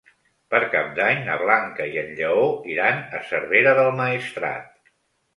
Per Cap d'Any na Blanca i en Lleó iran a Cervera del Maestrat.